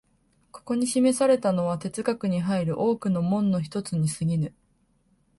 ここに示されたのは哲学に入る多くの門の一つに過ぎぬ。